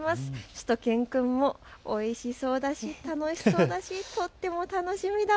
しゅと犬くんもおいしそうだし楽しそうだしとっても楽しみだ